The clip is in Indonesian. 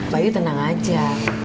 bayu tenang aja